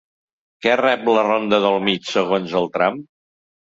Què rep la ronda del Mig segons el tram?